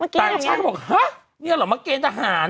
เจ้าชายก็บอกเนี่ยเหรอมาเกณฑ์ตาหาร